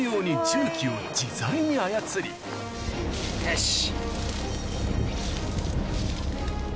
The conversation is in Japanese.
よし。